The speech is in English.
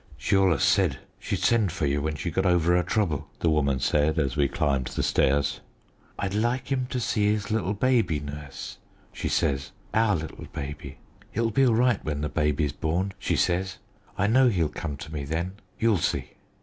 "She allus said she'd send for you when she'd got over her trouble," the woman said as we climbed the stairs. "'I'd like him to see his little baby, nurse,' she says; 'our little baby. It'll be all right when the baby's born,' she says. 'I know he'll come to me then. You'll see.'